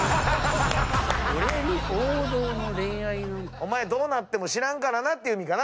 お前どうなっても知らんからなっていう意味かな？